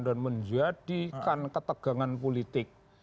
dan menjadikan ketegangan politik